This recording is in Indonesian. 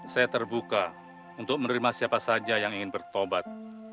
saya terbuka untuk menerima siapa saja yang ingin bertobat